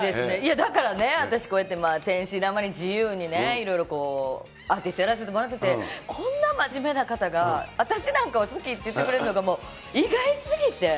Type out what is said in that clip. だからね、私、こうやって天真らんまんに自由にね、いろいろアーティストやらせてもらってて、こんな真面目な方が、私なんかを好きって言ってくれるのがもう、意外すぎて。